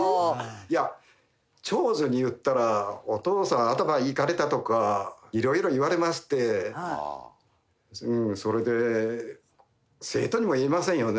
いや長女に言ったら「お父さん頭イカれた」とか色々言われましてそれで生徒にも言えませんよね。